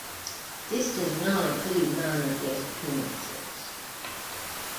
This does not include minor guest appearances.